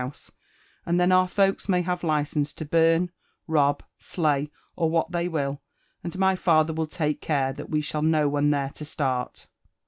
house, and then our folks may have license to burn, rob, slay, or what they will; aod my fallier will take care that we shall know when they're to start."